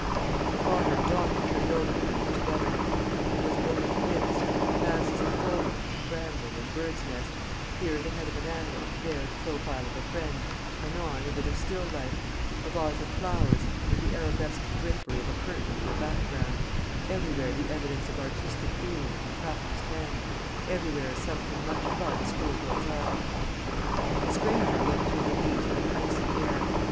The father and daughter turned over the leaves together. It was book of "bits:" masses of foliage, bramble, and bird's nest; here the head of an animal, there the profile of a friend; anon a bit of still life; a vase of flowers, with the arabesqued drapery of a curtain for a background; everywhere the evidence of artistic feeling and a practised hand, everywhere a something much above a schoolgirl's art. Miss Granger looked through the leaves with an icy air.